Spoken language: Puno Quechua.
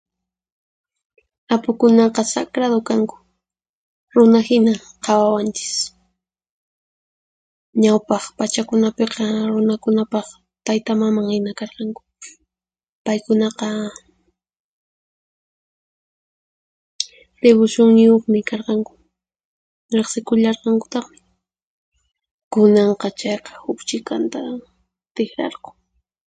Apukunaqa sakratu kanku, runahina qhawawanchis. Ñawpaq pachakunapiqa runakunapaq taytamamanhina karqanku. Paykunaqa tipushunniyuqmi karqanku, riqsikullarqankutaqmi. Kunanqa, chayqa huq chikanta tiqrarqun.